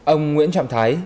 ông nguyễn trọng thái